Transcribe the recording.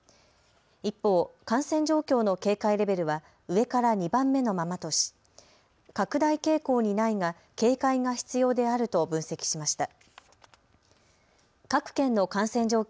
一方、感染状況の警戒レベルは上から２番目のままとし拡大傾向にないが警戒が必要であると分析しました。